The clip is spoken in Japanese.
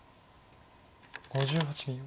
５８秒。